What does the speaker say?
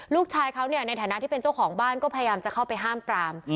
ลูกชายเขาเนี่ยในฐานะที่เป็นเจ้าของบ้านก็พยายามจะเข้าไปห้ามปราม